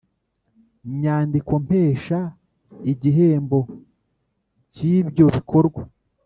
nyandikompesha Igihemo cy ibyo bikorwa